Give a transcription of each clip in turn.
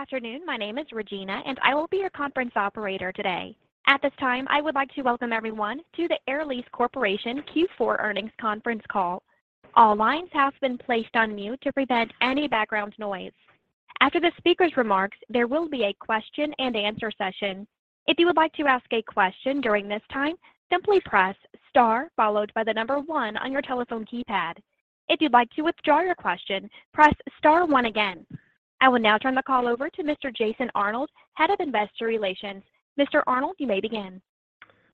Good afternoon. My name is Regina. I will be your conference operator today. At this time, I would like to welcome everyone to the Air Lease Corporation Q4 Earnings Conference Call. All lines have been placed on mute to prevent any background noise. After the speakers' remarks, there will be a question and answer session. If you would like to ask a question during this time, simply press star followed by 1 on your telephone keypad. If you'd like to withdraw your question, press star 1 again. I will now turn the call over to Mr. Jason Arnold, Head of Investor Relations. Mr. Arnold, you may begin.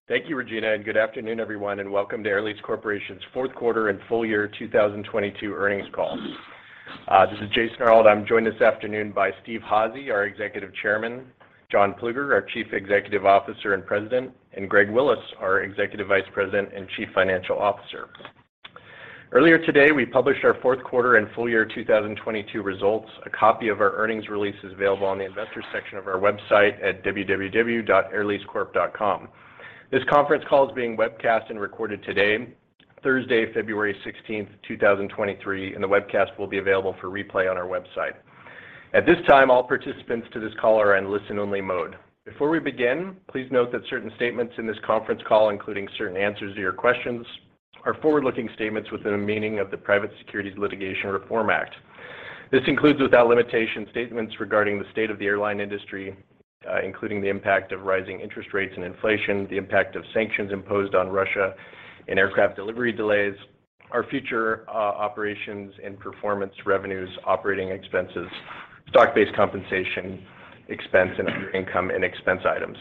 Thank you, Regina. Good afternoon, everyone, and welcome to Air Lease Corporation's fourth quarter and full-year 2022 earnings call. This is Jason Arnold. I'm joined this afternoon by Steve Hazy, our Executive Chairman; John Plueger, our Chief Executive Officer and President; and Greg Willis, our Executive Vice President and Chief Financial Officer. Earlier today, we published our fourth quarter and full-year 2022 results. A copy of our earnings release is available on the investors section of our website at www.airleasecorp.com. This conference call is being webcast and recorded today, Thursday, February 16th, 2023. The webcast will be available for replay on our website. At this time, all participants in this call are in listen-only mode. Before we begin, please note that certain statements in this conference call, including certain answers to your questions, are forward-looking statements within the meaning of the Private Securities Litigation Reform Act. This includes, without limitation, statements regarding the state of the airline industry, including the impact of rising interest rates and inflation, the impact of sanctions imposed on Russia, and aircraft delivery delays, our future operations and performance revenues, operating expenses, stock-based compensation expense, and other income and expense items.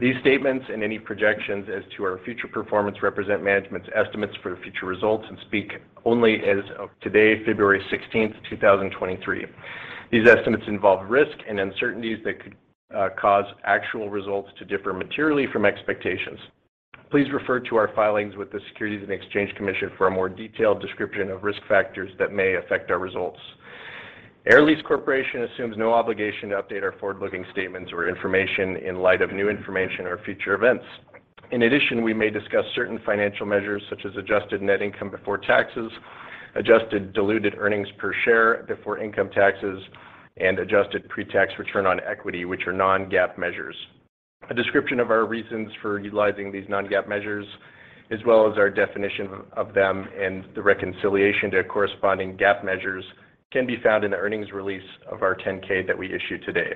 These statements and any projections as to our future performance represent management's estimates for future results and speak only as of today, February 16th, 2023. These estimates involve risks and uncertainties that could cause actual results to differ materially from expectations. Please refer to our filings with the Securities and Exchange Commission for a more detailed description of risk factors that may affect our results. Air Lease Corporation assumes no obligation to update our forward-looking statements or information in light of new information or future events. In addition, we may discuss certain financial measures such as adjusted net income before taxes, adjusted diluted earnings per share before income taxes, and adjusted pre-tax return on equity, which are non-GAAP measures. A description of our reasons for utilizing these non-GAAP measures, as well as our definition of them and the reconciliation to corresponding GAAP measures, can be found in the earnings release of our 10-K that we issued today.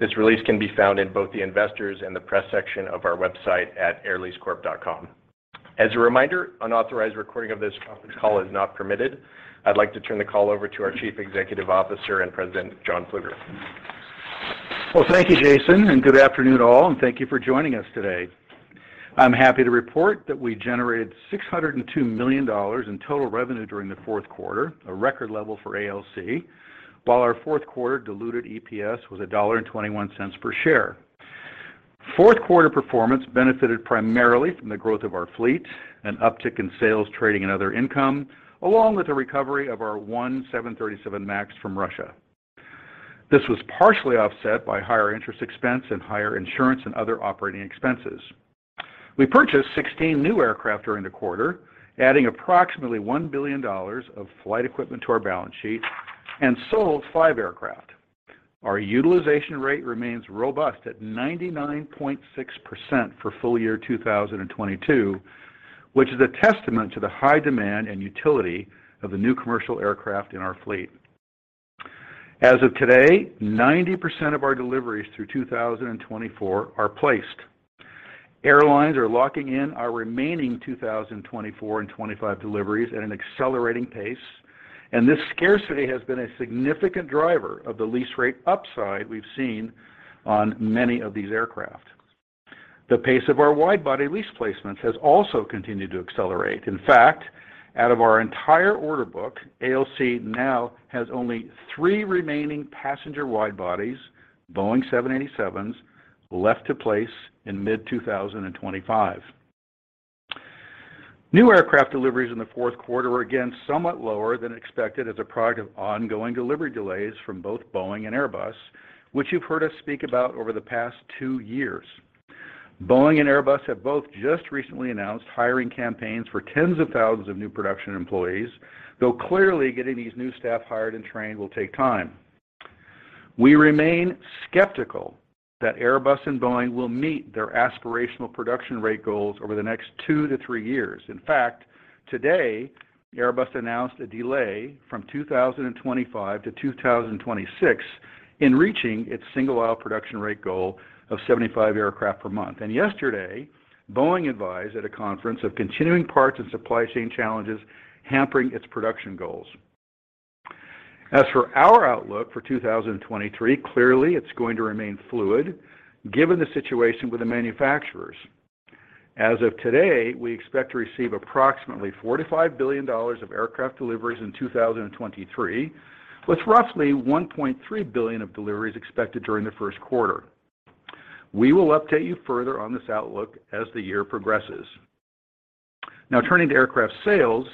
This release can be found in both the investors and the press section of our website at airleasecorp.com. As a reminder, unauthorized recording of this conference call is not permitted. I'd like to turn the call over to our Chief Executive Officer and President, John Plueger. Well, thank you, Jason. Good afternoon, all, and thank you for joining us today. I'm happy to report that we generated $602 million in total revenue during the fourth quarter, a record level for ALC. Our fourth-quarter diluted EPS was $1.21 per share. Fourth-quarter performance benefited primarily from the growth of our fleet, an uptick in sales, trading, and other income, along with the recovery of our 737 MAX from Russia. This was partially offset by higher interest expense and higher insurance and other operating expenses. We purchased 16 new aircraft during the quarter, adding approximately $1 billion of flight equipment to our balance sheet, and sold 5 aircraft. Our utilization rate remains robust at 99.6% for full year 2022, which is a testament to the high demand and utility of the new commercial aircraft in our fleet. As of today, 90% of our deliveries through 2024 are placed. Airlines are locking in our remaining 2024 and 2025 deliveries at an accelerating pace, and this scarcity has been a significant driver of the lease rate upside we've seen on many of these aircraft. The pace of our wide-body lease placements has also continued to accelerate. In fact, out of our entire order book, ALC now has only 3 remaining passenger wide-bodies, Boeing 787s, left to place in mid-2025.. New aircraft deliveries in the fourth quarter were again somewhat lower than expected due to ongoing delivery delays from both Boeing and Airbus, which you've heard us speak about over the past two years. Boeing and Airbus have both just recently announced hiring campaigns for tens of thousands of new production employees, though clearly getting these new staff hired and trained will take time. We remain skeptical that Airbus and Boeing will meet their aspirational production rate goals over the next 2-3 years. In fact, today, Airbus announced a delay from 2025 to 2026 in reaching its single-aisle production rate goal of 75 aircraft per month. Yesterday, Boeing advised at a conference of continuing parts and supply chain challenges hampering its production goals. As for our outlook for 2023, clearly it's going to remain fluid given the situation with the manufacturers. As of today, we expect to receive approximately $4 billion-$5 billion of aircraft deliveries in 2023, with roughly $1.3 billion of deliveries expected during the first quarter. We will update you further on this outlook as the year progresses. Now, turning to aircraft sales,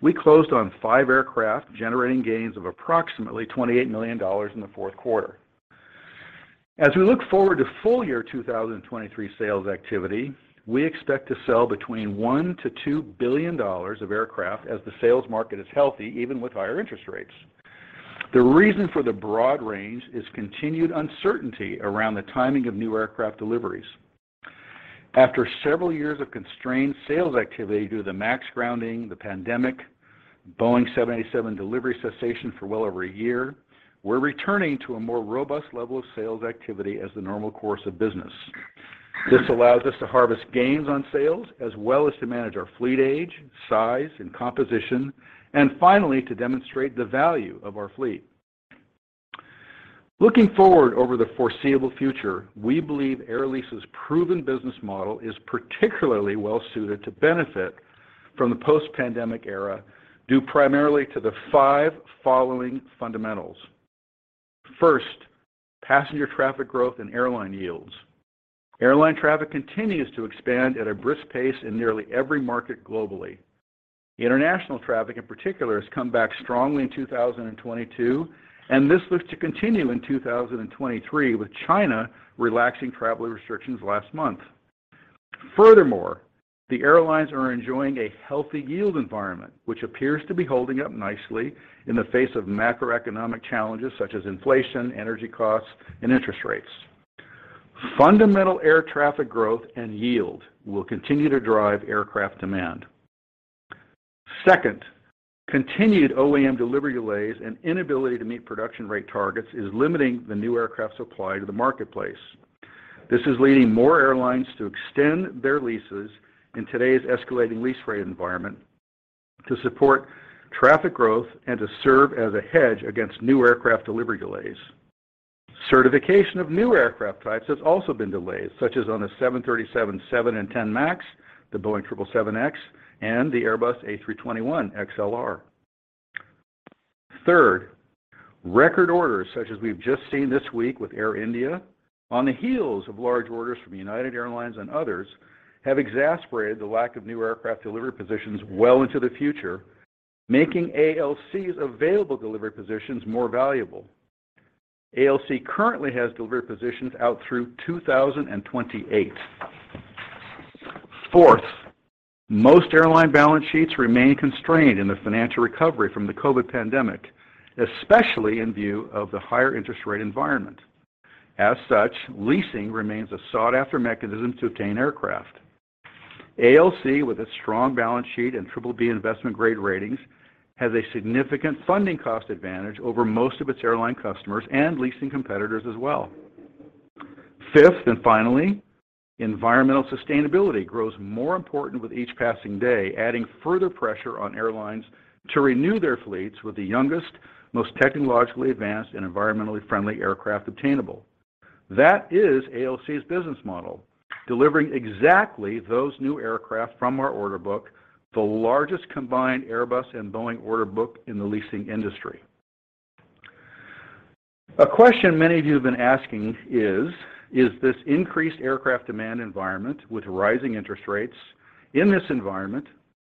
we closed on five aircraft, generating gains of approximately $28 million in the fourth quarter. As we look forward to full year 2023 sales activity, we expect to sell between $1 billion-$2 billion of aircraft as the sales market is healthy even with higher interest rates. The reason for the broad range is continued uncertainty around the timing of new aircraft deliveries. After several years of constrained sales activity due to the MAX grounding, the pandemic, and the Boeing 787 delivery cessation for well over a year, we're returning to a more robust level of sales activity as the normal course of business. This allows us to harvest gains on sales, manage our fleet age, size, and composition, and finally, to demonstrate the value of our fleet. Looking forward over the foreseeable future, we believe Air Lease's proven business model is particularly well suited to benefit from the post-pandemic era due primarily to the five following fundamentals. First, passenger traffic growth and airline yields. Airline traffic continues to expand at a brisk pace in nearly every market globally. International traffic, in particular, has come back strongly in 2022. This looks to continue in 2023, with China relaxing traveler restrictions last month. Furthermore, airlines are enjoying a healthy yield environment, which appears to be holding up nicely in the face of macroeconomic challenges such as inflation, energy costs, and interest rates. Fundamental air traffic growth and yield will continue to drive aircraft demand. Second, continued OEM delivery delays and the inability to meet production rate targets are limiting the new aircraft supply to the marketplace. This is leading more airlines to extend their leases in today's escalating lease rate environment to support traffic growth and to serve as a hedge against new aircraft delivery delays. Certification of new aircraft types has also been delayed, such as on the 737-7 and 10 MAX, the Boeing 777X, and the Airbus A321XLR. Third, record orders, such as we've just seen this week with Air India on the heels of large orders from United Airlines and others, have exacerbated the lack of new aircraft delivery positions well into the future, making ALC's available delivery positions more valuable. ALC currently has delivery positions out through 2028. Fourth, most airline balance sheets remain constrained in the financial recovery from the COVID pandemic, especially in view of the higher interest rate environment. As such, leasing remains a sought-after mechanism to obtain aircraft. ALC, with its strong balance sheet and BBB investment-grade ratings, has a significant funding cost advantage over most of its airline customers and leasing competitors as well. Finally, environmental sustainability grows more important with each passing day, adding further pressure on airlines to renew their fleets with the youngest, most technologically advanced, and environmentally friendly aircraft obtainable. That is ALC's business model: delivering exactly those new aircraft from our order book, the largest combined Airbus and Boeing order book in the leasing industry. A question many of you have been asking is, in this increased aircraft demand environment with rising interest rates,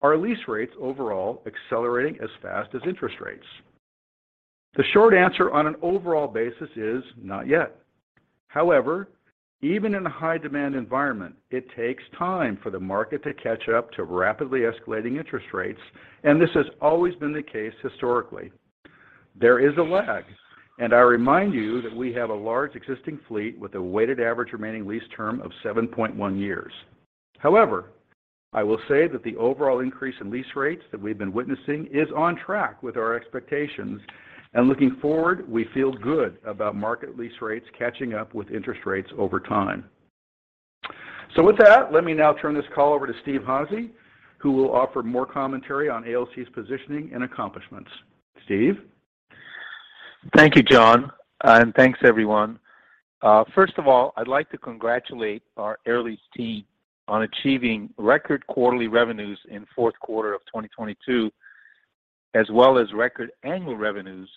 are lease rates overall accelerating as fast as interest rates? The short answer, on an overall basis, is not yet. However, even in a high-demand environment, it takes time for the market to catch up to rapidly escalating interest rates, and this has always been the case historically. There is a lag, and I remind you that we have a large existing fleet with a weighted average remaining lease term of 7.1 years. However, I will say that the overall increase in lease rates that we've been witnessing is on track with our expectations. Looking forward, we feel good about market lease rates catching up with interest rates over time. With that, let me now turn this call over to Steven Udvar-Házy, who will offer more commentary on ALC's positioning and accomplishments. Steve. Thank you, John. Thanks, everyone. First of all, I'd like to congratulate our Air Lease team on achieving record quarterly revenues in the fourth quarter of 2022, as well as record annual revenues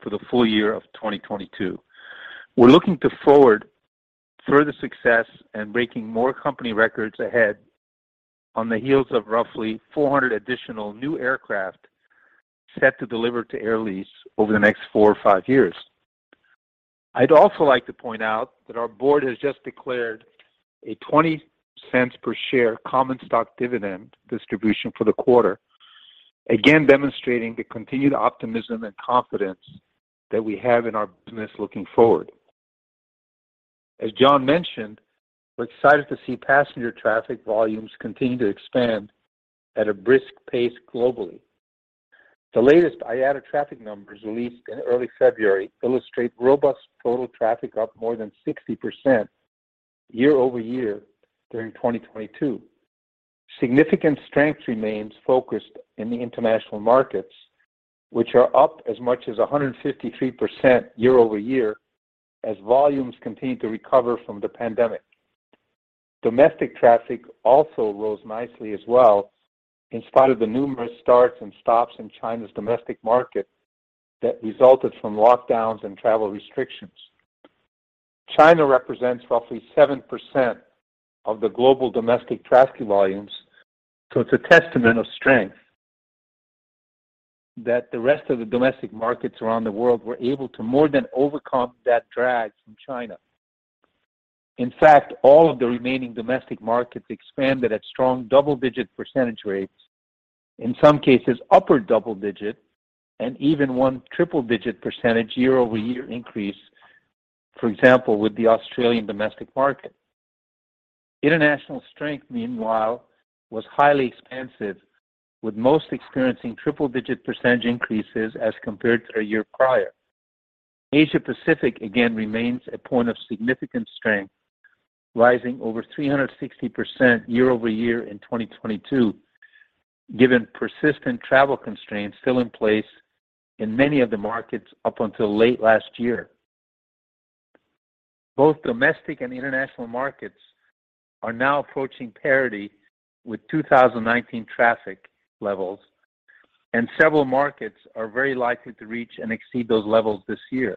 for the full year of 2022. We're looking forward to further success and breaking more company records ahead, on the heels of roughly 400 additional new aircraft set to deliver to Air Lease over the next four or five years. I'd also like to point out that our board has just declared a $0.20 per share common stock dividend distribution for the quarter, again demonstrating the continued optimism and confidence that we have in our business looking forward. As John mentioned, we're excited to see passenger traffic volumes continue to expand at a brisk pace globally. The latest IATA traffic numbers, released in early February, illustrate robust total traffic, up more than 60% year-over-year during 2022. Significant strength remains focused in the international markets, which are up as much as 153% year-over-year as volumes continue to recover from the pandemic. Domestic traffic also rose nicely, in spite of the numerous starts and stops in China's domestic market that resulted from lockdowns and travel restrictions. China represents roughly 7% of the global domestic traffic volumes, so it's a testament to the strength that the rest of the domestic markets around the world were able to more than overcome that drag from China. In fact, all of the remaining domestic markets expanded at strong double-digit percentage rates, in some cases upper double-digit, and even a triple-digit percentage year-over-year increase, for example, with the Australian domestic market. International strength, meanwhile, was highly expansive, with most experiencing triple-digit percentage increases as compared to a year prior. Asia Pacific, again, remains a point of significant strength, rising over 360% year-over-year in 2022, given persistent travel constraints still in place in many of the markets up until late last year. Both domestic and international markets are now approaching parity with 2019 traffic levels, and several markets are very likely to reach and exceed those levels this year.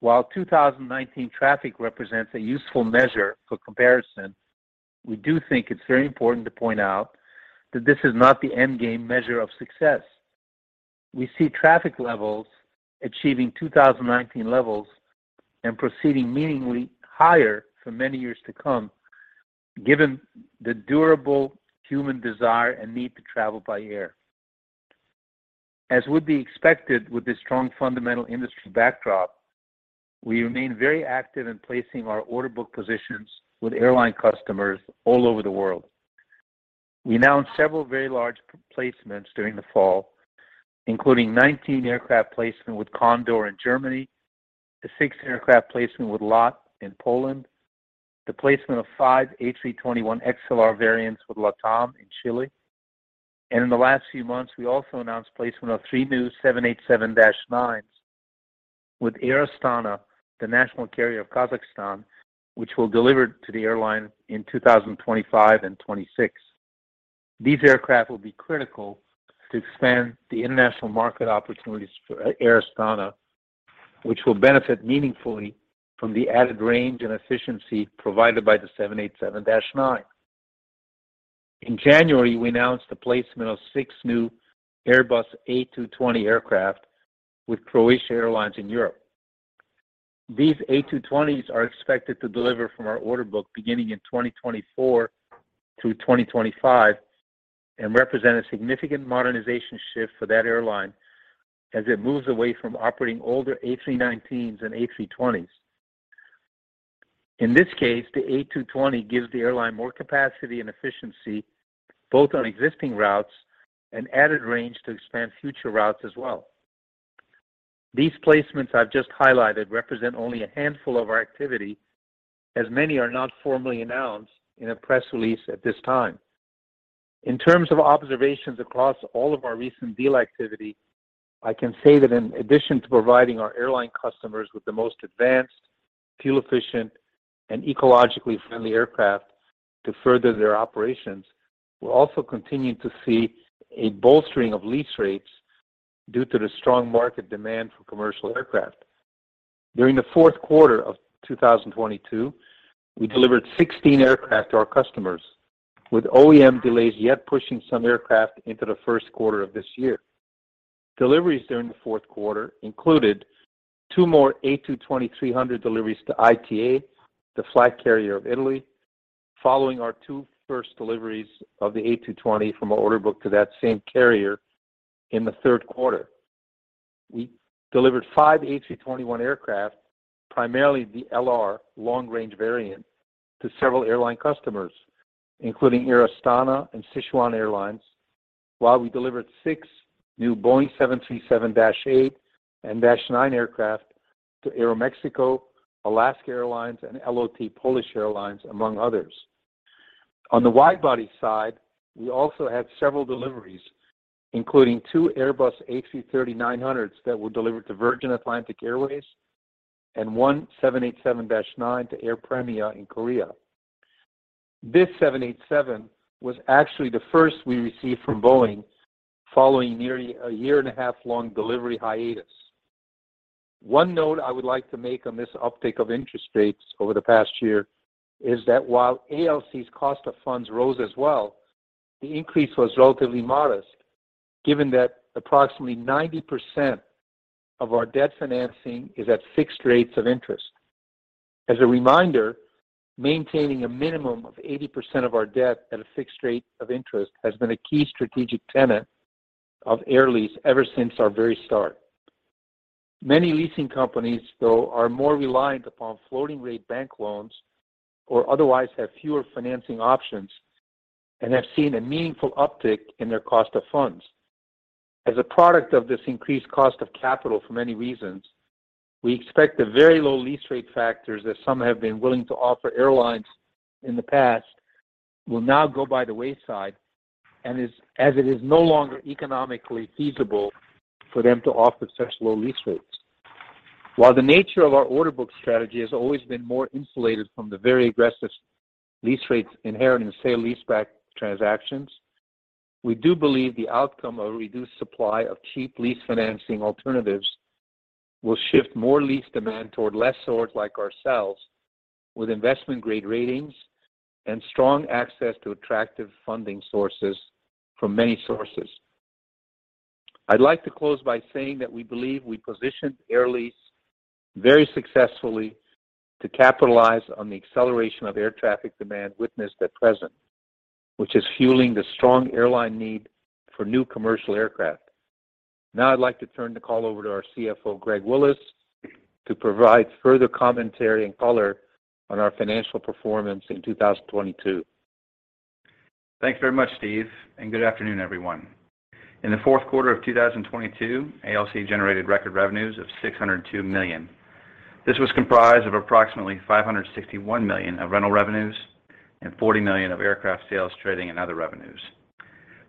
While 2019 traffic represents a useful measure for comparison, we do think it's very important to point out that this is not the endgame measure of success. We see traffic levels achieving 2019 levels and proceeding meaningfully higher for many years to come, given the durable human desire and need to travel by air. As would be expected with this strong fundamental industry backdrop, we remain very active in placing our order book positions with airline customers all over the world. We announced several very large placements during the fall, including a 19-aircraft placement with Condor in Germany, a 6-aircraft placement with LOT in Poland, and the placement of 5 A321XLR variants with LATAM in Chile. In the last few months, we also announced the placement of three new 787-9s with Air Astana, the national carrier of Kazakhstan, which will be delivered to the airline in 2025 and 2026. These aircraft will be critical to expanding the international market opportunities for Air Astana, which will benefit meaningfully from the added range and efficiency provided by the 787-9. In January, we announced the placement of six new Airbus A220 aircraft with Croatia Airlines in Europe. These A220s are expected to be delivered from our order book beginning in 2024 through 2025 and represent a significant modernization shift for that airline as it moves away from operating older A319s and A320s. In this case, the A220 gives the airline more capacity and efficiency both on existing routes and added range to expand future routes as well. These placements I've just highlighted represent only a handful of our activities, as many are not formally announced in a press release at this time. In terms of observations across all of our recent deal activity, I can say that in addition to providing our airline customers with the most advanced, fuel-efficient, and ecologically friendly aircraft to further their operations, we're also continuing to see a bolstering of lease rates due to the strong market demand for commercial aircraft. During the fourth quarter of 2022, we delivered 16 aircraft to our customers, with OEM delays yet pushing some aircraft into the first quarter of this year. Deliveries during the fourth quarter included two more A220-300 deliveries to ITA, the flag carrier of Italy, following our first two deliveries of the A220 from our order book to that same carrier in the third quarter. We delivered five A321 aircraft, primarily the LR, long-range variant, to several airline customers, including Air Astana and Sichuan Airlines, while we delivered six new Boeing 737-8 and -9 aircraft to Aeroméxico, Alaska Airlines, and LOT Polish Airlines, among others. On the wide-body side, we also had several deliveries, including two Airbus A330-900s that were delivered to Virgin Atlantic Airways and one 787-9 to Air Premia in Korea. This 787 was actually the first we received from Boeing following nearly a year-and-a-half-long delivery hiatus. One note I would like to make on this uptick in interest rates over the past year is that while ALC's cost of funds rose as well, the increase was relatively modest, given that approximately 90% of our debt financing is at fixed rates of interest. As a reminder, maintaining a minimum of 80% of our debt at a fixed rate of interest has been a key strategic tenet of Air Lease ever since our very start. Many leasing companies, though, are more reliant upon floating rate bank loans or otherwise have fewer financing options and have seen a meaningful uptick in their cost of of funds. As a product of this increased cost of capital for many reasons, we expect the very low lease rate factors that some have been willing to offer airlines in the past will now go by the wayside, as it is no longer economically feasible for them to offer such low lease rates. While the nature of our order book strategy has always been more insulated from the very aggressive lease rates inherent in sale-leaseback transactions, we do believe the outcome of a reduced supply of cheap lease financing alternatives will shift more lease demand toward lessors like ourselves with investment-grade ratings and strong access to attractive funding sources from many sources. I'd like to close by saying that we believe we positioned Air Lease very successfully to capitalize on the acceleration of air traffic demand witnessed at present, which is fueling the strong airline need for new commercial aircraft. I'd like to turn the call over to our CFO, Greg Willis, to provide further commentary and color on our financial performance in 2022. Thanks very much, Steve. Good afternoon, everyone. In the fourth quarter of 2022, ALC generated record revenues of $602 million. This was comprised of approximately $561 million of rental revenues and $40 million of aircraft sales, trading, and other revenues.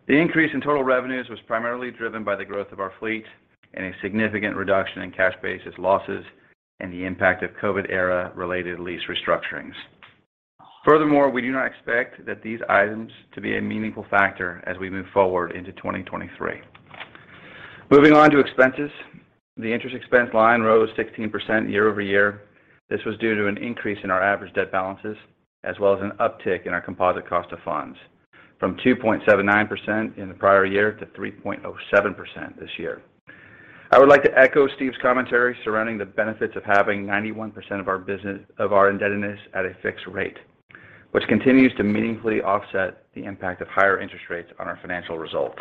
The increase in total revenues was primarily driven by the growth of our fleet and a significant reduction in cash basis losses and the impact of COVID-era-related lease restructurings. Furthermore, we do not expect these items to be a meaningful factor as we move forward into 2023. Moving on to expenses, the interest expense line rose 16% year-over-year. This was due to an increase in our average debt balances, as well as an uptick in our composite cost of funds from 2.79% in the prior year to 3.07% this year. I would like to echo Steve's commentary surrounding the benefits of having 91% of our indebtedness at a fixed rate, which continues to meaningfully offset the impact of higher interest rates on our financial results.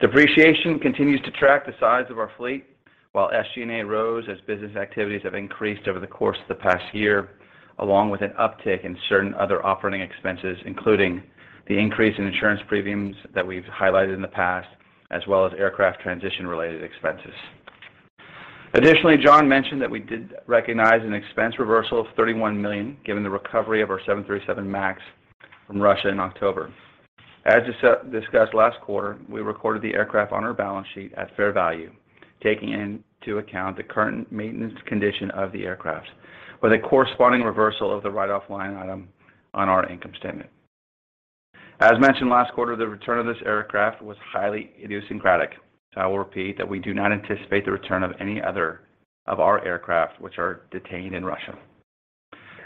Depreciation continues to track the size of our fleet, while SG&A rose as business activities have increased over the course of the past year, along with an uptick in certain other operating expenses, including the increase in insurance premiums that we've highlighted in the past, as well as aircraft transition-related expenses. Additionally, John mentioned that we did recognize an expense reversal of $31 million, given the recovery of our 737 MAX from Russia in October. As discussed last quarter, we recorded the aircraft on our balance sheet at fair value, taking into account the current maintenance condition of the aircraft, with a corresponding reversal of the write-off line item on our income statement. As mentioned last quarter, the return of this aircraft was highly idiosyncratic. I will repeat that we do not anticipate the return of any other of our aircraft that are detained in Russia.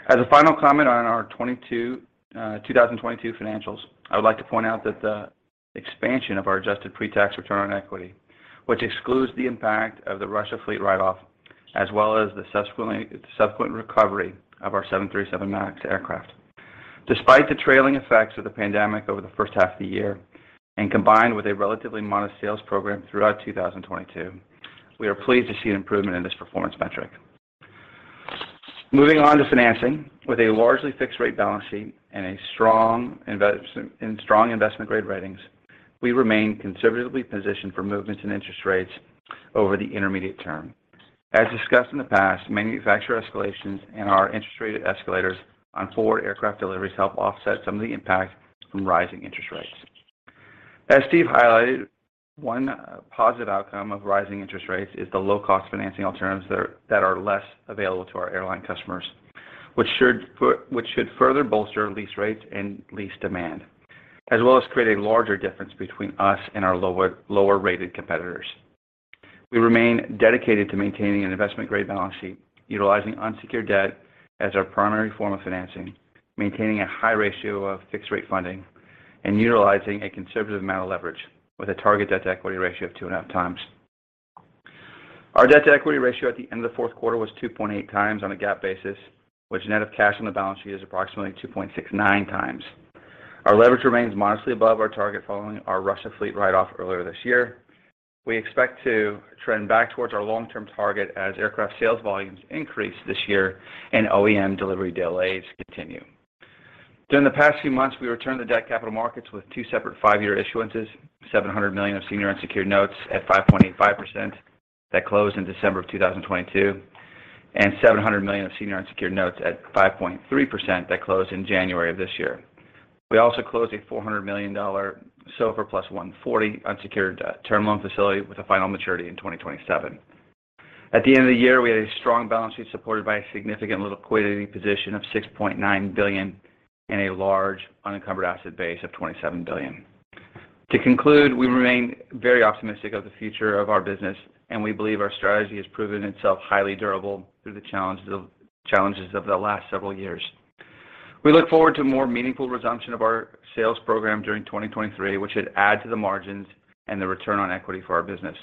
As a final comment on our 2022 financials, I would like to point out the expansion of our adjusted pre-tax return on equity, which excludes the impact of the Russia fleet write-off, as well as the subsequent recovery of our 737 MAX aircraft. Despite the trailing effects of the pandemic over the first half of the year, combined with a relatively modest sales program throughout 2022, we are pleased to see an improvement in this performance metric. Moving on to financing, with a largely fixed-rate balance sheet and strong investment-grade ratings, we remain conservatively positioned for movements in interest rates over the intermediate term. As discussed in the past, manufacturer escalations and our interest rate escalators on forward aircraft deliveries help offset some of the impact from rising interest rates. As Steve highlighted, one positive outcome of rising interest rates is the low-cost financing alternatives that are less available to our airline customers, which should further bolster lease rates and lease demand, as well as create a larger difference between us and our lower-rated competitors. We remain dedicated to maintaining an investment-grade balance sheet, utilizing unsecured debt as our primary form of financing, maintaining a high ratio of fixed-rate funding, and utilizing a conservative amount of leverage with a target debt-to-equity ratio of 2.5 times. Our debt-to-equity ratio at the end of the fourth quarter was 2.8 times on a GAAP basis, which, net of cash on the balance sheet, is approximately 2.69 times. Our leverage remains modestly above our target following our Russia fleet write-off earlier this year. We expect to trend back toward our long-term target as aircraft sales volumes increase this year and OEM delivery delays continue. During the past few months, we returned to debt capital markets with two separate five-year issuances: $700 million of senior unsecured notes at 5.85% that closed in December 2022, and $700 million of senior unsecured notes at 5.3% that closed in January of this year. We also closed a $400 million SOFR + 140 unsecured term loan facility with a final maturity in 2027. At the end of the year, we had a strong balance sheet supported by a significant liquidating position of $6.9 billion and a large unencumbered asset base of $27 billion. To conclude, we remain very optimistic about the future of our business, and we believe our strategy has proven itself highly durable through the challenges of the last several years. We look forward to a more meaningful resumption of our sales program during 2023, which should add to the margins and the return on equity for our business.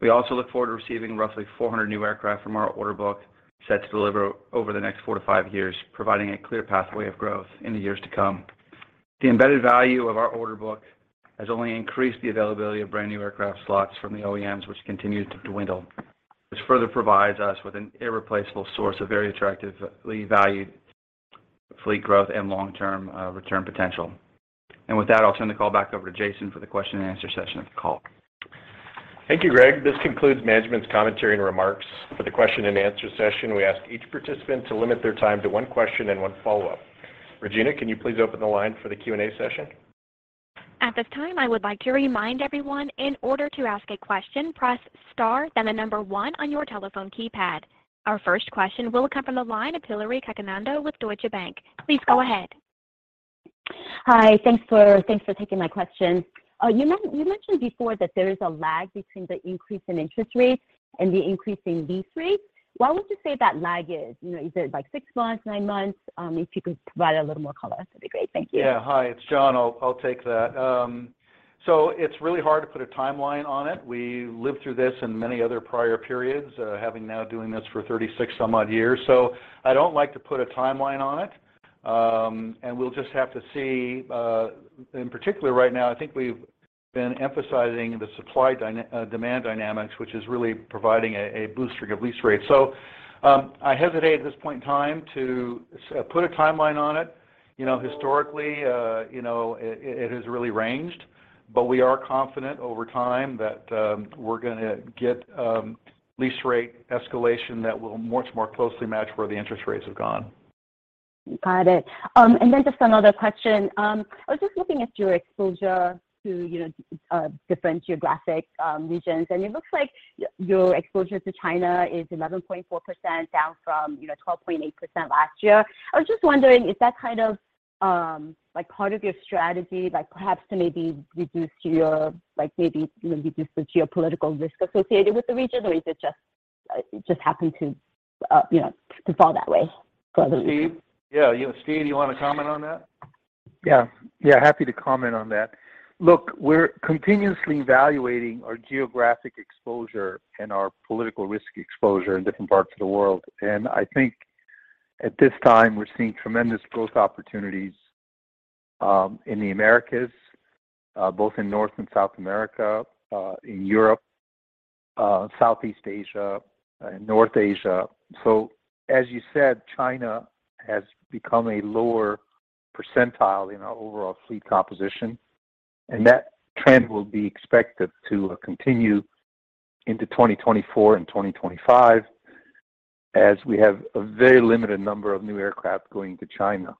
We also look forward to receiving roughly 400 new aircraft from our order book set to deliver over the next 4-5 years, providing a clear pathway of growth in the years to come. The embedded value of our order book has only increased the availability of brand new aircraft slots from the OEMs, which continue to dwindle. This further provides us with an irreplaceable source of very attractively valued fleet growth and long-term return potential. With that, I'll turn the call back over to Jason for the question and answer session of the call. Thank you, Greg. This concludes management's commentary and remarks. For the question and answer session, we ask each participant to limit their time to one question and one follow-up. Regina, can you please open the line for the Q&A session? At this time, I would like to remind everyone that in order to ask a question, press star, then the number one on your telephone keypad. Our first question will come from the line of Hillary Cacanando with Deutsche Bank. Please go ahead. Hi. Thanks for taking my questions. You mentioned before that there's a lag between the increase in interest rates and the increase in lease rates. What would you say that lag is? You know, is it like 6 months, 9 months? If you could provide a little more color, that'd be great. Thank you. Yeah. Hi, it's John. I'll take that. It's really hard to put a timeline on it. We've lived through this in many other prior periods, having now done this for 36 odd years. I don't like to put a timeline on it, and we'll just have to see. In particular, right now, I think we've been emphasizing the supply-demand dynamics, which are really providing a boost to lease rates. I hesitate at this point in time to put a timeline on it. You know, historically, it has really ranged, but we are confident over time that we're going to get lease rate escalation that will much more closely match where the interest rates have gone. Got it. Just another question. I was just looking at your exposure to different geographic regions, and it looks like your exposure to China is 11.4%, down from 12.8% last year. I was just wondering, is that part of your strategy, perhaps to reduce the geopolitical risk associated with the region? Or did it just happen to fall that way? Steve? Yeah. You know, Steve, you wanna comment on that? Yeah, happy to comment on that. Look, we're continuously evaluating our geographic exposure and our political risk exposure in different parts of the world. I think at this time, we're seeing tremendous growth opportunities in the Americas, both in North and South America, in Europe, Southeast Asia, and North Asia. As you said, China has become a lower percentile in our overall fleet composition, and that trend will be expected to continue into 2024 and 2025 as we have a very limited number of new aircraft going to China.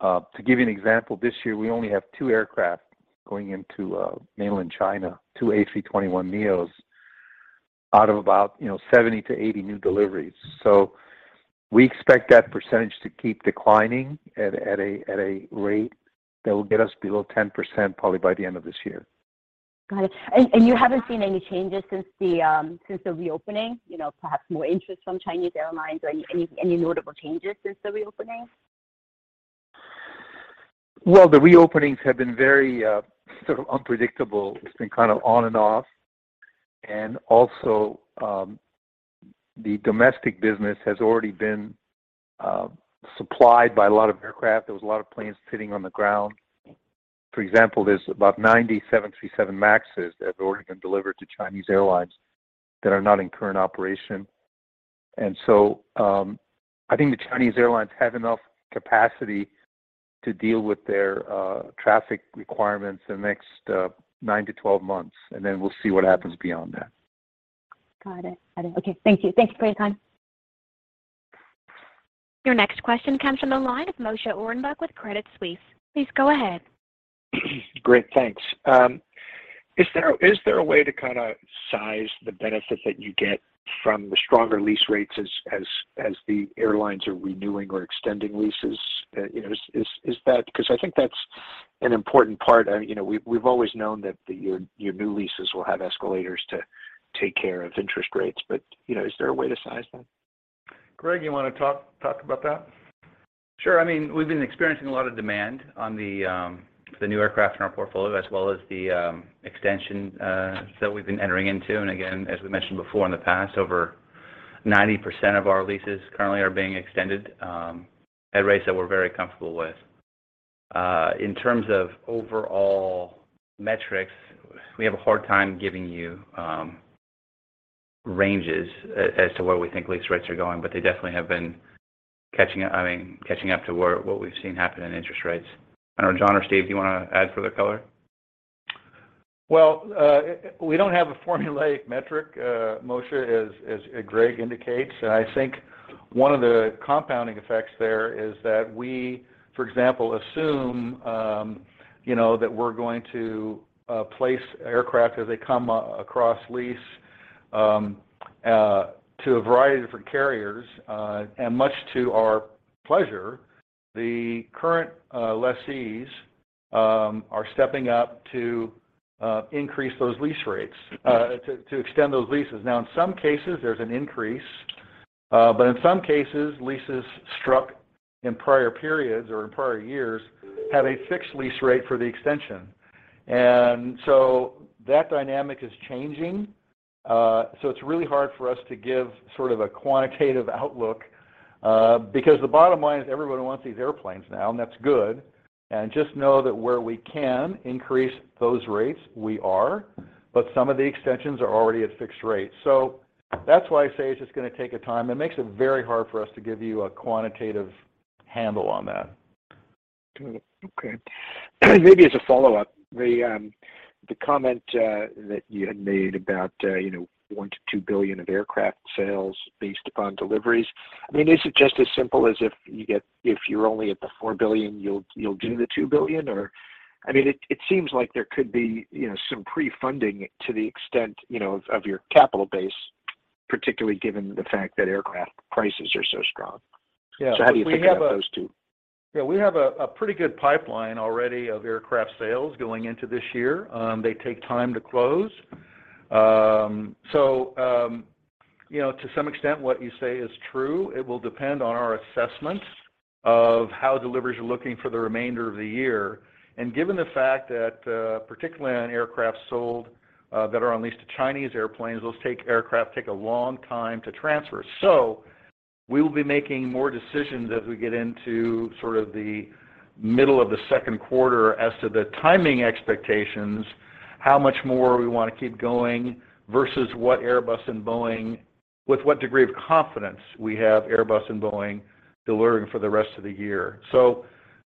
To give you an example, this year we only have 2 aircraft going into mainland China, 2 A321neos out of about, you know, 70 to 80 new deliveries. We expect that percentage to keep declining at a rate that will get us below 10% probably by the end of this year. Got it. You haven't seen any changes since the reopening? You know, perhaps more interest from Chinese airlines or any notable changes since the reopening? Well, the reopenings have been very, sort of unpredictable. It's been kind of on and off. Also, the domestic business has already been supplied by a lot of aircraft. There were a lot of planes sitting on the ground. For example, there are about 90 737 MAXs that have already been delivered to Chinese airlines that are not in current operation. I think the Chinese airlines have enough capacity to deal with their traffic requirements for the next 9 to 12 months, and then we'll see what happens beyond that. Got it. Okay. Thank you for your time. Your next question comes from the line of Moshe Orenbuch with Credit Suisse. Please go ahead. Great, thanks. Is there a way to kind of size the benefit that you get from the stronger lease rates as the airlines are renewing or extending leases? You know, is that, because I think that's an important part. I mean, you know, we've always known that your new leases will have escalators to take care of interest rates. You know, is there a way to size that? Greg, you wanna talk about that? Sure. I mean, we've been experiencing a lot of demand for the new aircraft in our portfolio, as well as the extensions that we've been entering into. Again, as we mentioned before, over 90% of our leases are currently being extended at rates that we're very comfortable with. In terms of overall metrics, we have a hard time giving you ranges as to where we think lease rates are going, but they definitely have been catching up, I mean, catching up to what we've seen happen with interest rates. I don't know, John or Steve, do you want to add further color? Well, we don't have a formulaic metric, Moshe, as Greg indicates. I think one of the compounding effects there is that we, for example, assume, you know, that we're going to place aircraft as they come across lease to a variety of different carriers. Much to our pleasure, the current lessees are stepping up to increase those lease rates to extend those leases. Now, in some cases, there's an increase, but in some cases, leases struck in prior periods or in prior years have a fixed lease rate for the extension. That dynamic is changing. It's really hard for us to give a quantitative outlook because the bottom line is everyone wants these airplanes now, and that's good. Just know that where we can increase those rates, we are, but some of the extensions are already at fixed rates. That's why I say it's just going to take time. It makes it very hard for us to give you a quantitative handle on that. Got it. Okay. Maybe as a follow-up, the comment that you had made about, you know, $1 billion-$2 billion of aircraft sales based upon deliveries, I mean, is it just as simple as if you're only at the $4 billion, you'll do the $2 billion? I mean, it seems like there could be, you know, some pre-funding to the extent, you know, of your capital base. Particularly given the fact that aircraft prices are so strong. Yeah. How do you think about those 2? We have a pretty good pipeline already of aircraft sales going into this year. They take time to close. You know, to some extent what you say is true, it will depend on our assessment of how deliveries are looking for the remainder of the year. Given the fact that particularly on aircraft sold that are on lease to Chinese airplanes, aircraft take a long time to transfer. We will be making more decisions as we get into sort of the middle of the second quarter as to the timing expectations, how much more we want to keep going versus with what degree of confidence we have Airbus and Boeing delivering for the rest of the year.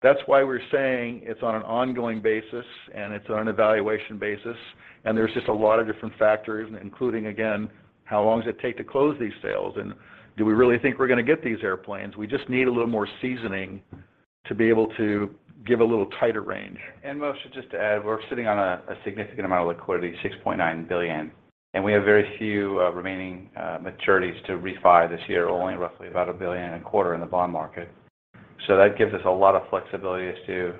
That's why we're saying it's on an ongoing basis and it's on an evaluation basis, and there's just a lot of different factors, including, again, how long does it take to close these sales, and do we really think we're gonna get these airplanes? We just need a little more seasoning to be able to give a little tighter range. Moshe, just to add, we're sitting on a significant amount of liquidity, $6.9 billion, and we have very few remaining maturities to refi this year, only roughly about $1.25 billion in the bond market. That gives us a lot of flexibility as to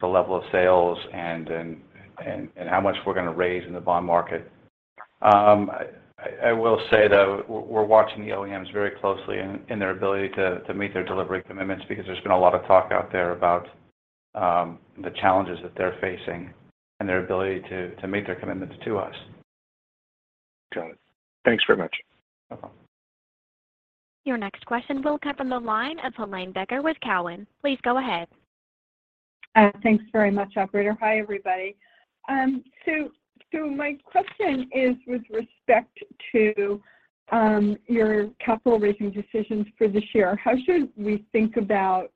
the level of sales and how much we're gonna raise in the bond market. I will say though, we're watching the OEMs very closely in their ability to meet their delivery commitments, because there's been a lot of talk out there about the challenges that they're facing and their ability to meet their commitments to us. Got it. Thanks very much. No problem. Your next question will come from the line of Helane Becker with Cowen. Please go ahead. Thanks very much, operator. Hi, everybody. My question is with respect to your capital raising decisions for this year, how should we think about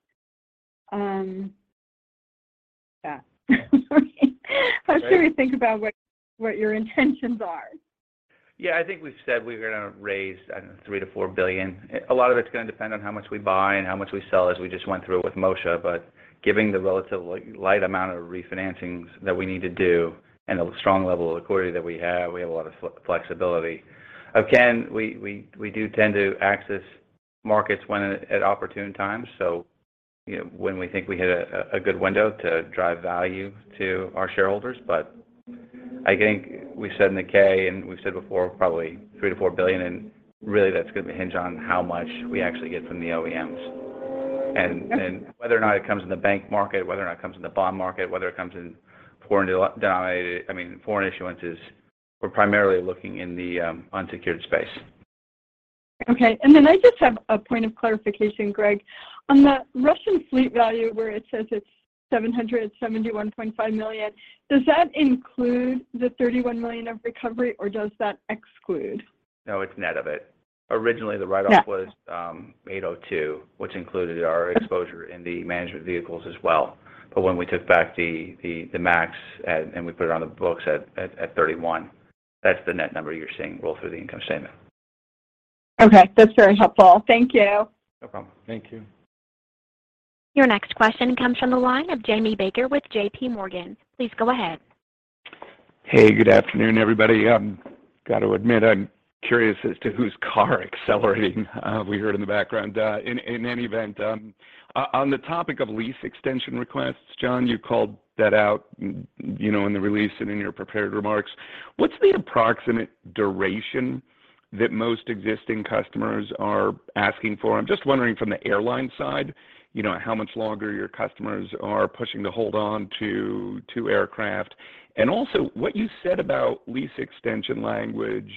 that? Sorry. Right. How should we think about what your intentions are? Yeah. I think we've said we're gonna raise, I don't know, $3 billion-$4 billion. A lot of it's gonna depend on how much we buy and how much we sell, as we just went through with Moshe. Given the relatively light amount of refinancings that we need to do and the strong level of liquidity that we have, we have a lot of flexibility. Again, we do tend to access markets when at opportune times, so, you know, when we think we hit a good window to drive value to our shareholders. I think we said in the K, and we've said before, probably $3 billion-$4 billion, and really that's gonna hinge on how much we actually get from the OEMs. Whether or not it comes in the bank market, whether or not it comes in the bond market, whether it comes in foreign, I mean foreign issuances, we're primarily looking in the unsecured space. Okay. I just have a point of clarification, Greg. On the Russian fleet value where it says it's $771.5 million, does that include the $31 million of recovery or does that exclude? No, it's net of it. Originally the write-off- Yeah... was $802, which included our exposure in the management vehicles as well. When we took back the MAX and we put it on the books at $31, that's the net number you're seeing roll through the income statement. Okay. That's very helpful. Thank you. No problem. Thank you. Your next question comes from the line of Jamie Baker with J.P. Morgan. Please go ahead. Hey, good afternoon, everybody. Got to admit, I'm curious as to whose car accelerating, we heard in the background. In any event, on the topic of lease extension requests, John, you called that out, you know, in the release and in your prepared remarks. What's the approximate duration that most existing customers are asking for? I'm just wondering from the airline side, you know, how much longer your customers are pushing to hold on to aircraft. Also what you said about lease extension language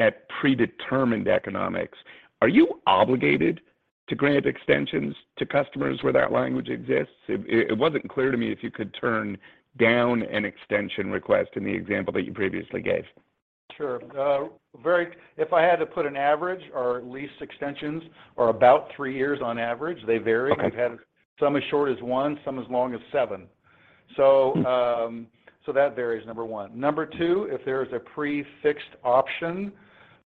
at predetermined economics, are you obligated to grant extensions to customers where that language exists? It wasn't clear to me if you could turn down an extension request in the example that you previously gave. If I had to put an average, our lease extensions are about 3 years on average. They vary. Okay. We've had some as short as 1, some as long as 7. That varies, number one. Number two, if there is a prefixed option,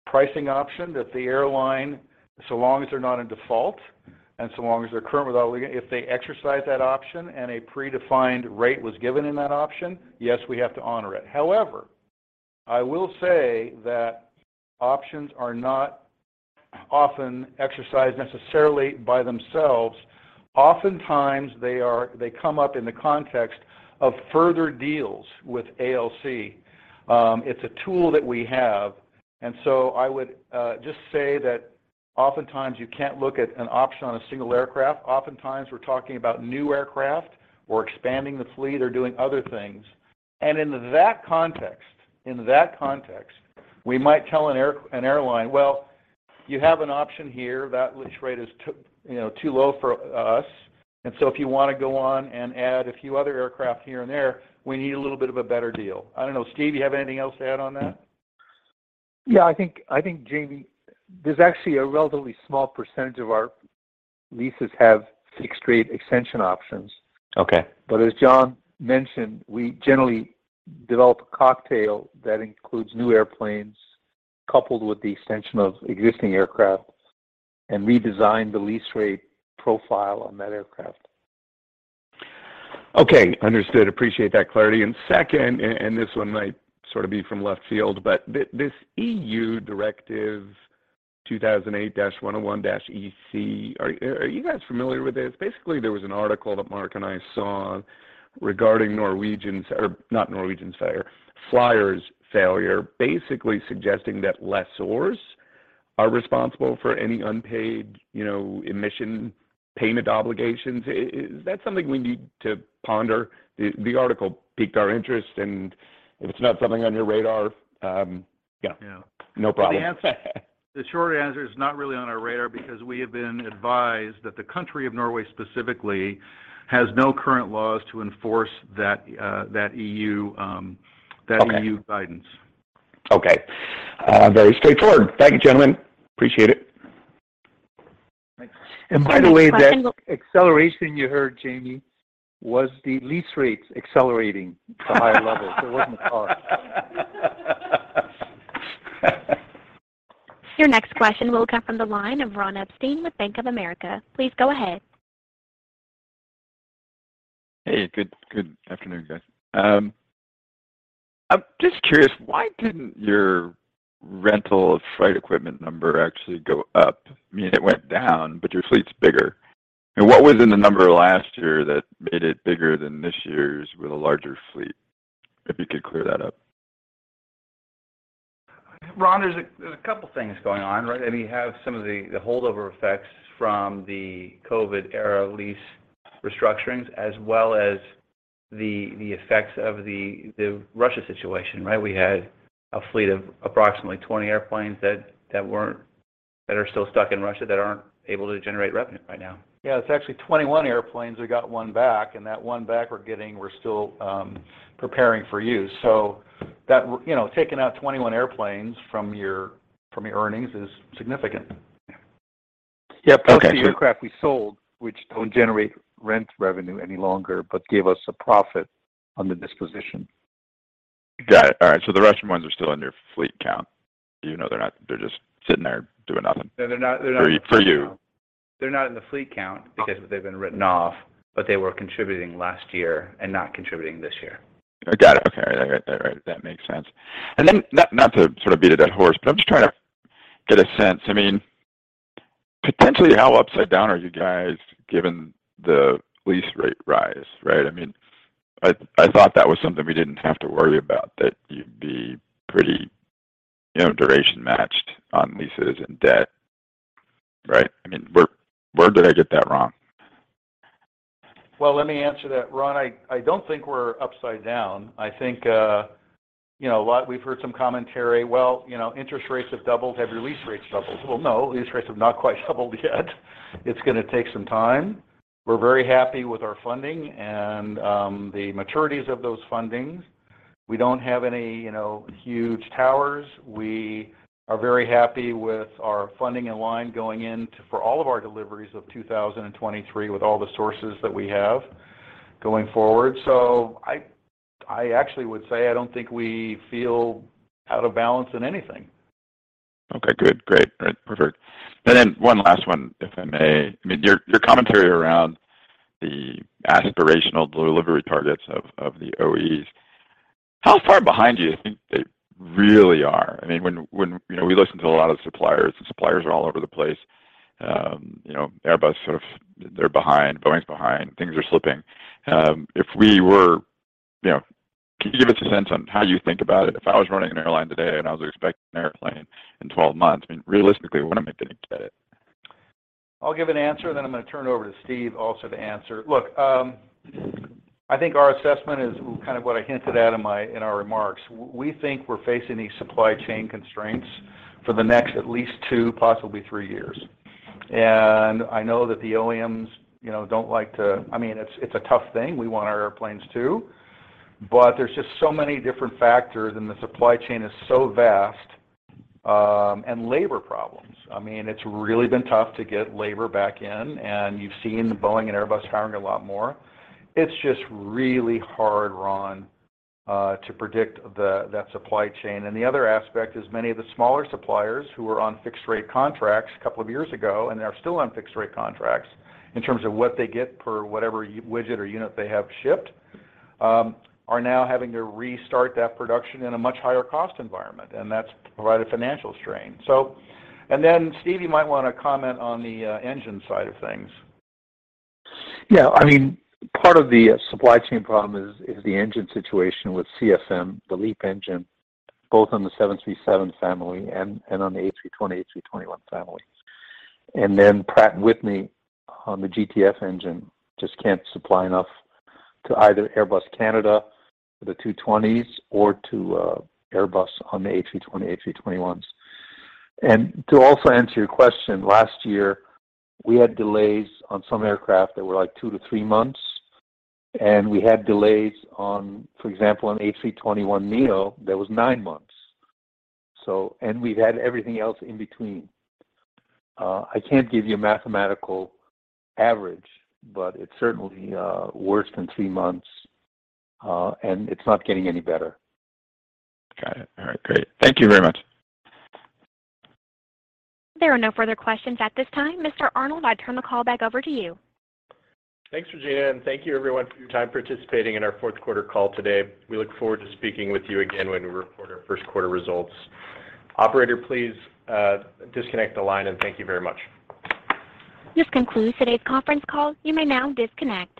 pricing option that the airline, so long as they're not in default and so long as they're current with all, if they exercise that option and a predefined rate was given in that option, yes, we have to honor it. However, I will say that options are not often exercised necessarily by themselves. Oftentimes, they come up in the context of further deals with ALC. It's a tool that we have. I would just say that oftentimes you can't look at an option on a single aircraft. Oftentimes we're talking about new aircraft or expanding the fleet or doing other things. In that context, we might tell an airline, "Well, you have an option here. That lease rate is too, you know, too low for us. If you wanna go on and add a few other aircraft here and there, we need a little bit of a better deal." I don't know. Steve, you have anything else to add on that? Yeah, I think, Jamie, there's actually a relatively small percentage of our leases have fixed rate extension options. Okay. As John mentioned, we generally develop a cocktail that includes new airplanes coupled with the extension of existing aircraft and redesign the lease rate profile on that aircraft. Okay. Understood. Appreciate that clarity. Second, and this one might sort of be from left field, but this EU Directive 2008/101/EC, are you guys familiar with this? Basically, there was an article that Mark and I saw regarding Flyr's failure, basically suggesting that lessors are responsible for any unpaid, you know, emission payment obligations. Is that something we need to ponder? The article piqued our interest, and if it's not something on your radar, yeah. Yeah. No problem. The short answer is not really on our radar because we have been advised that the country of Norway specifically has no current laws to enforce that EU. Okay. EU guidance. Very straightforward. Thank you, gentlemen. Appreciate it. Thanks. By the way, that acceleration you heard, Jamie, was the lease rates accelerating to higher levels. It wasn't a cost. Your next question will come from the line of Ronald Epstein with Bank of America. Please go ahead. Hey, good afternoon, guys. I'm just curious, why didn't your rental of flight equipment number actually go up? I mean, it went down, but your fleet's bigger. What was in the number last year that made it bigger than this year's with a larger fleet? If you could clear that up. Ron, there's a couple things going on, right? I mean, you have some of the holdover effects from the COVID era lease restructurings as well as the effects of the Russia situation, right? We had a fleet of approximately 20 airplanes that are still stuck in Russia that aren't able to generate revenue right now. Yeah, it's actually 21 airplanes. We got one back, and that one back we're getting, we're still preparing for use. You know, taking out 21 airplanes from your earnings is significant. Yeah. Okay. The aircraft we sold, which don't generate rent revenue any longer, but gave us a profit on the disposition. Got it. All right. The Russian ones are still in your fleet count even though they're just sitting there doing nothing. No, they're not, they're not in the fleet count. For you. They're not in the fleet count because they've been written off, but they were contributing last year and not contributing this year. Got it. Okay. All right. All right. That makes sense. Not to sort of beat a dead horse, but I'm just trying to get a sense. I mean, potentially, how upside down are you guys given the lease rate rise, right? I mean, I thought that was something we didn't have to worry about, that you'd be pretty, you know, duration matched on leases and debt, right? I mean, where did I get that wrong? Well, let me answer that, Ron. I don't think we're upside down. I think, you know, a lot We've heard some commentary, well, you know, interest rates have doubled. Have your lease rates doubled? Well, no, lease rates have not quite doubled yet. It's gonna take some time. We're very happy with our funding and the maturities of those fundings. We don't have any, you know, huge towers. We are very happy with our funding in line going into for all of our deliveries of 2023 with all the sources that we have going forward. I actually would say I don't think we feel out of balance in anything. Okay, good. Great. All right. Perfect. One last one, if I may. I mean, your commentary around the aspirational delivery targets of the OEs, how far behind do you think they really are? I mean, when, you know, we listen to a lot of suppliers, the suppliers are all over the place. You know, Airbus sort of, they're behind. Boeing's behind. Things are slipping. You know, can you give us a sense on how you think about it? If I was running an airline today and I was expecting an airplane in 12 months, I mean, realistically, when am I gonna get it? I'll give an answer, then I'm gonna turn it over to Steve also to answer. I think our assessment is kind of what I hinted at in our remarks. We think we're facing these supply chain constraints for the next at least two, possibly three years. I know that the OEMs, you know, I mean, it's a tough thing. We want our airplanes too, but there's just so many different factors, and the supply chain is so vast, and labor problems. I mean, it's really been tough to get labor back in, and you've seen Boeing and Airbus hiring a lot more. It's just really hard, Ron, to predict that supply chain. The other aspect is many of the smaller suppliers who were on fixed rate contracts a couple of years ago, and they're still on fixed rate contracts in terms of what they get per whatever widget or unit they have shipped, are now having to restart that production in a much higher cost environment, and that's provided financial strain. Steve, you might wanna comment on the engine side of things. Yeah. I mean, part of the supply chain problem is the engine situation with CFM, the LEAP engine, both on the 737 family and on the A320, A321 families. Then Pratt & Whitney on the GTF engine just can't supply enough to either Airbus Canada for the A220s or to Airbus on the A320, A321s. To also answer your question, last year, we had delays on some aircraft that were like 2-3 months, and we had delays on, for example, an A321neo that was nine months. We've had everything else in between. I can't give you a mathematical average, but it's certainly worse than three months, and it's not getting any better. Got it. All right, great. Thank you very much. There are no further questions at this time. Mr. Arnold, I turn the call back over to you. Thanks, Regina, thank you everyone for your time participating in our fourth quarter call today. We look forward to speaking with you again when we report our first quarter results. Operator, please disconnect the line. Thank you very much. This concludes today's conference call. You may now disconnect.